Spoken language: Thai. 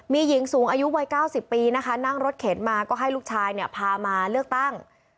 มีหญิงสูงอายุวัย๙๐ปีนะคะนั่งรถเข็นมาก็ให้ลูกชายเนี่ยพามาเลือกตั้ง